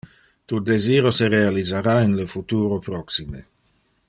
Tu desiro se realisara in le futuro proxime.